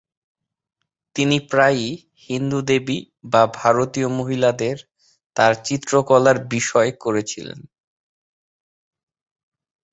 তিনি প্রায়ই হিন্দু দেবী বা ভারতীয় মহিলাদের তার চিত্রকলার বিষয় করেছিলেন।